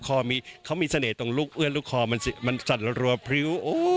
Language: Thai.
จริงเขามีสเนตรตรงลูกเอื้อดลูกคอมันสั่นละรวบพริ้ว